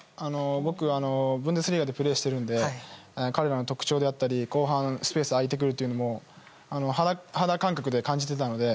僕、ブンデスリーガでプレーしているんで彼らの特徴であったり、後半スペースが空いてくるというのも肌感覚で感じていたので。